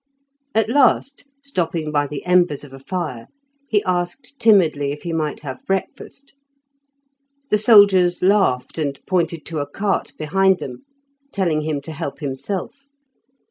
At last, stopping by the embers of a fire, he asked timidly if he might have breakfast. The soldiers laughed and pointed to a cart behind them, telling him to help himself.